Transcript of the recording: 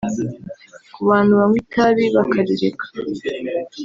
ku bantu banywa itabi bakarireka